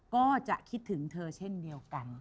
ก็จะคิดถึงเธอเช่นเดียวกัน